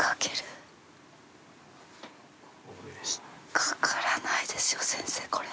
引っかからないですよ先生これ。